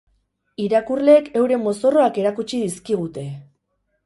Irakurleek euren mozorroak erakutsi dizkigute!